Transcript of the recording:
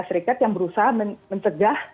serikat yang berusaha mencegah